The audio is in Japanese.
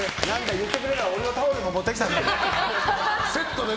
言ってくれたら俺のタオルも持ってきたのに。